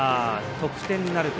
得点なるか。